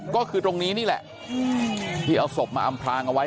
ก็คือตรงนี้นี่แหละที่เอาศพมาอำพลางเอาไว้